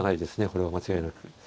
これは間違いなく。